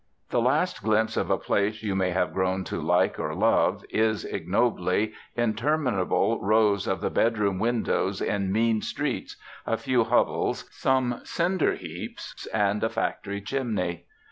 The last glimpse of a place you may have grown to like or love is, ignobly, interminable rows of the bedroom windows in mean streets, a few hovels, some cinder heaps, and a factory chimney.